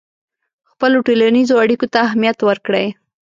خپلو ټولنیزو اړیکو ته اهمیت ورکړئ.